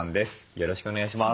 よろしくお願いします。